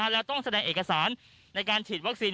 แล้วต้องแสดงเอกสารในการฉีดวัคซีน